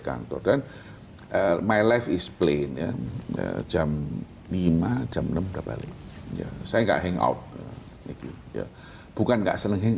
kantor dan my life is play jam lima jam enam balik saya gak hangout itu bukan gak seneng